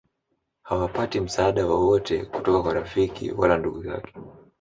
hawapati msaada wowote kutoka kwa rafiki wala ndugu zake